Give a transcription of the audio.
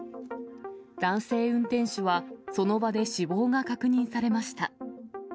男性運転手はその場で死亡が確認されました。